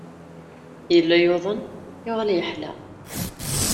Yella yuḍen, yuɣal yeḥla.